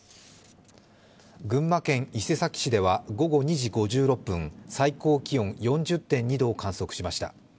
群馬県伊勢崎市では午後２時５６分、最高気温４０．２度を観測しました。